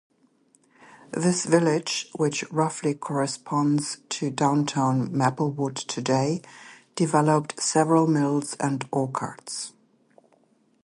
This village, which roughly corresponds to downtown Maplewood today, developed several mills and orchards.